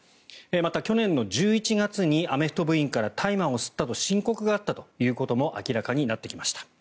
また、去年の１１月にアメフト部員から大麻を吸ったと申告があったということも明らかになってきました。